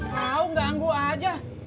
mau ganggu aja